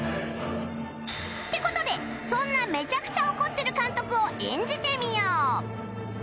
って事でそんなめちゃくちゃ怒ってる監督を演じてみよう！